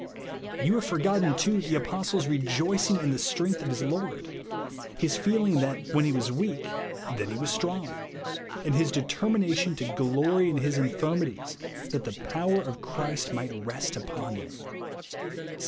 You have forgotten, too, the apostle's rejoicing in the strength of his Lord ; his feeling that when he was weak then he was strong ; and his determination to glory in his infirmities, that the power of Christ might rest upon him, (2 Cor.